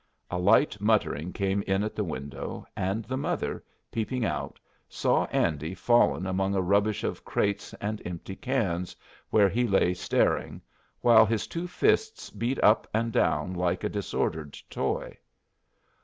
A light muttering came in at the window, and the mother, peeping out, saw Andy fallen among a rubbish of crates and empty cans, where he lay staring, while his two fists beat up and down like a disordered toy.